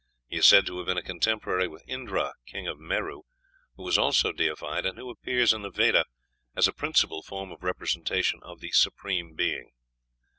He is said to have been a contemporary with Indra, king of Meru, who was also deified, and who appears in the Veda as a principal form of representation of the Supreme Being.